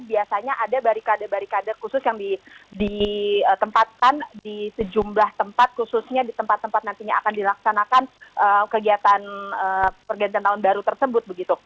biasanya ada barikade barikade khusus yang ditempatkan di sejumlah tempat khususnya di tempat tempat nantinya akan dilaksanakan kegiatan pergantian tahun baru tersebut